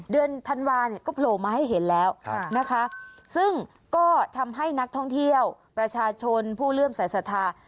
เดือนธันวาลก็โผล่มาให้เห็นแล้วซึ่งก็ทำให้นักท่องเที่ยวประชาชนผู้เลื่อมสายสาธารณ์